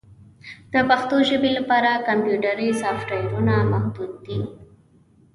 د پښتو ژبې لپاره کمپیوټري سافټویرونه محدود دي.